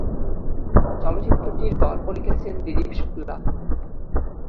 চলচ্চিত্রটির গল্প লিখেছেন দিলীপ শুক্লা।